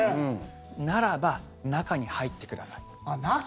ならば中に入ってください。